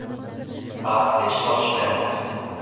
Ha, hech tortishmayapmiz